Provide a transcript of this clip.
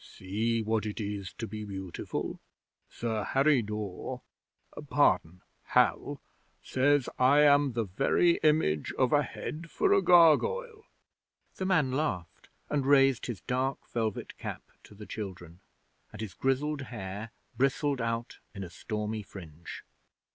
'See what it is to be beautiful! Sir Harry Dawe pardon, Hal says I am the very image of a head for a gargoyle.' The man laughed and raised his dark velvet cap to the children, and his grizzled hair bristled out in a stormy fringe.